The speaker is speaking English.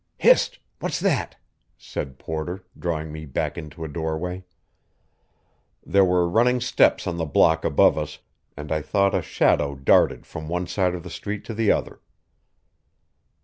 "Hist! What's that?" said Porter, drawing me back into a doorway. There were running steps on the block above us, and I thought a shadow darted from one side of the street to the other.